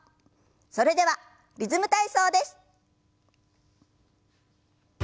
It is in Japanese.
それでは「リズム体操」です。